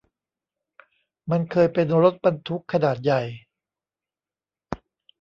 มันเคยเป็นรถบรรทุกขนาดใหญ่